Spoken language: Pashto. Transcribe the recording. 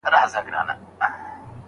د لیوني اهليت څنګه له منځه تللی دی؟